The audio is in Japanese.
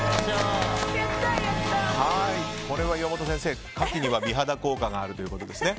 これは、岩本先生、カキには美肌効果があるということですね。